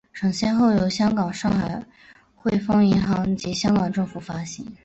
曾先后由香港上海汇丰银行及香港政府发行。